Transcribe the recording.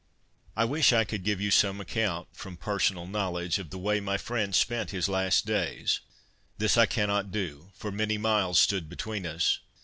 ' I wish I could give you some account, from personal knowledge, of the way my friend spent his last days. This I cannot do, for many miles stood between us.